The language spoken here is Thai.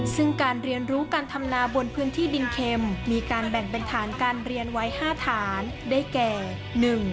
ซึ่งการเรียนรู้การทำนาบนพื้นที่ดินเข็มมีการแบ่งเป็นฐานการเรียนไว้๕ฐานได้แก่